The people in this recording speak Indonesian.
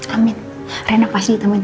amin reyna pasti ditemui tante